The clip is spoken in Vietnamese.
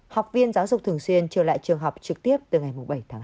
học viên giáo dục thường xuyên trở lại trường học trực tiếp từ ngày bảy tháng hai